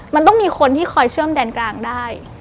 มันต้องมีคนที่คอยเชื่อมแดนกลางได้